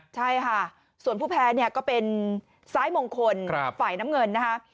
ใช่ค่ะส่วนผู้แพ้เนี่ยก็เป็นซ้ายมงคลฝ่ายน้ำเงินนะคะ